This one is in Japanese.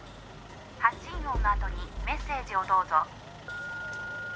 「発信音の後にメッセージをどうぞ」